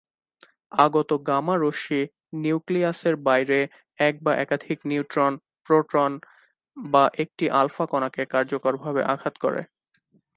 আগত গামা রশ্মি, নিউক্লিয়াসের বাইরে এক বা একাধিক নিউট্রন, প্রোটন বা একটি আলফা কণাকে কার্যকরভাবে আঘাত করে।